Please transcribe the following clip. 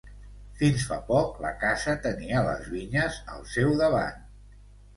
Fins fa poc la casa tenia les vinyes al seu davant.